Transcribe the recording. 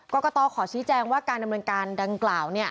กรกตขอชี้แจงว่าการดำเนินการดังกล่าว